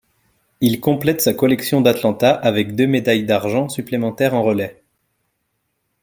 Il complète sa collection d'Atlanta avec deux médailles d’argent supplémentaires en relais.